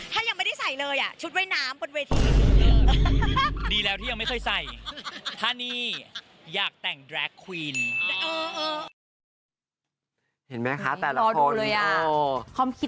ถ้ายังไม่ได้ใส่เลยชุดว่ายน้ำบนเวที